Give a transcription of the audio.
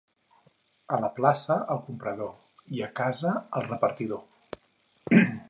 A la plaça, el comprador, i a casa, el repartidor.